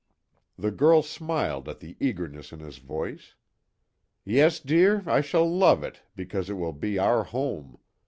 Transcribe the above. The girl smiled at the eagerness in his voice: "Yes, dear, I shall love it, because it will be our home.